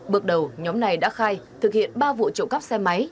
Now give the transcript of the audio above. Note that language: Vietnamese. bước đầu nhóm này đã khai thực hiện ba vụ trộm cắp xe máy